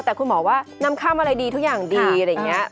แต่คุณหมอว่าน้ำค่ำอะไรดีทุกอย่างดีอะไรอย่างนี้